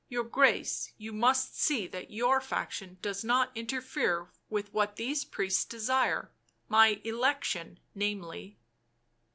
Your Grace, you must see that your faction does not interfere with what these priests desire — my election, namely."